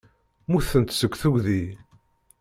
Mmutent seg tuggdi.